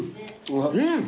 うん。